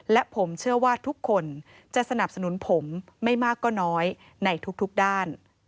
และผมเชื่อว่าทุกคนจะสนับสนุนผมไม่มากก็น้อยในทุกด้าน